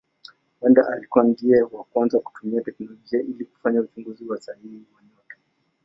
Huenda alikuwa ndiye wa kwanza kutumia teknolojia ili kufanya uchunguzi sahihi wa nyota.